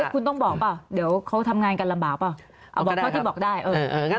คุณต้องบอกป่ะเดี๋ยวเขาทำงานกันลำบากป่ะ